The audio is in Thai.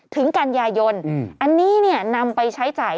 ถึงกันยายนอันนี้เนี่ยนำไปใช้จ่าย